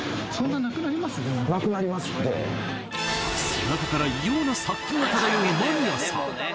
背中から異様な殺気が漂うマニアさん